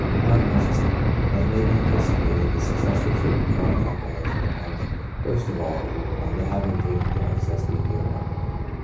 Prognosis. — As may be anticipated, the successful treat ment of chronic alcoholism depends, first of all, on the habit of drinking to excess being given up.